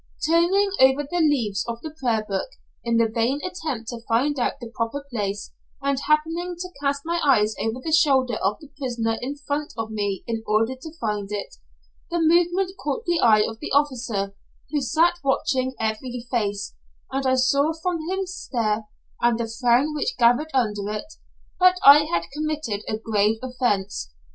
Turning over the leaves of the prayer book, in the vain attempt to find out the proper place, and happening to cast my eyes over the shoulder of the prisoner in front of me in order to find it, the movement caught the eye of the officer, who sat watching every face, and I saw from his stare, and the frown which gathered under it, that I had committed a grave offence.